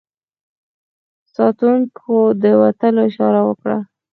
ساتونکو د وتلو اشاره وکړه.